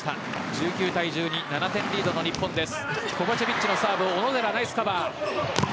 １９対１２７点リードの日本です。